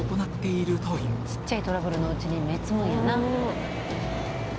ちっちゃいトラブルのうちに芽を摘むんやな。